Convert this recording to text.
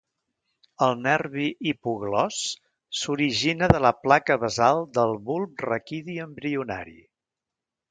El nervi hipoglòs s'origina de la placa basal del bulb raquidi embrionari.